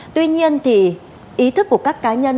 tuy nhiên ý thức của các cá nhân